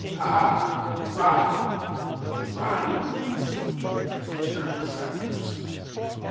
Ha! Ha! ride, ride, my beauties, my terrible tramplers!